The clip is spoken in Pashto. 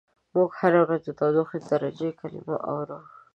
موږ هره ورځ د تودوخې د درجې کلمه اورو.